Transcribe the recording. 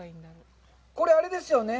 これ、あれですよね。